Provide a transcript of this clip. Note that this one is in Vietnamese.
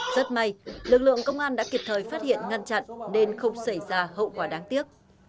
rất may lực lượng công an đã kịp thời phát hiện ngăn chặn nên không xảy ra hậu quả đáng tiếc